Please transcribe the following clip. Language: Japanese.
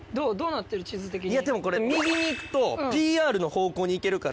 でもこれ右に行くとＰＲの方向に行けるから。